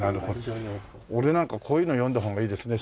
俺なんかこういうの読んだ方がいいですね。